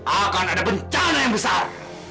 akan ada bencana yang besar